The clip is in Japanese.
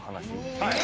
はい。